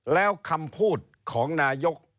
แล้วคำพูดของนายกรัฐมนตรา